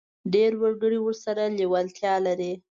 ډېر وګړي ورسره لېوالتیا لري.